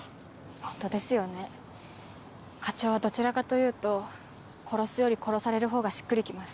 ホントですよね課長はどちらかというと殺すより殺されるほうがしっくり来ます。